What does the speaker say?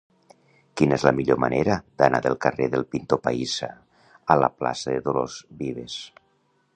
Quina és la millor manera d'anar del carrer del Pintor Pahissa a la plaça de Dolors Vives?